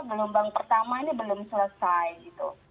gelombang pertama ini belum selesai gitu